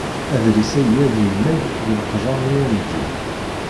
Adlis-ayi ad yemmag deg leqjer-nni anǧi.